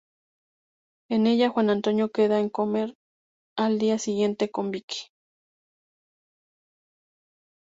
En ella, Juan Antonio queda en comer al día siguiente con Vicky.